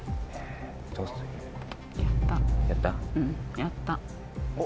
やった？